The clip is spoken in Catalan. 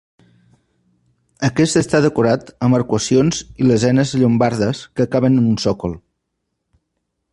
Aquest està decorat amb arcuacions i lesenes llombardes que acaben en un sòcol.